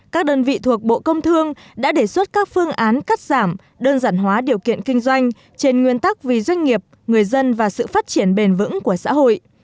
các đơn vị thuộc bộ công thương đã đề xuất các phương án cắt giảm đơn giản hóa điều kiện kinh doanh trên nguyên tắc vì doanh nghiệp người dân và sự phát triển bền vững của xã hội